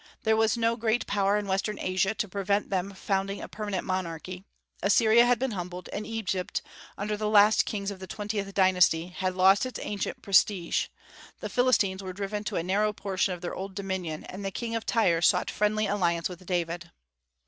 There was no great power in western Asia to prevent them founding a permanent monarchy; Assyria had been humbled; and Egypt, under the last kings of the twentieth dynasty, had lost its ancient prestige; the Philistines were driven to a narrow portion of their old dominion, and the king of Tyre sought friendly alliance with David.